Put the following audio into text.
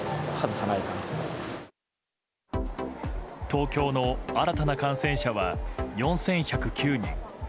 東京の新たな感染者は４１０９人。